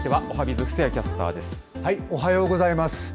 おはようございます。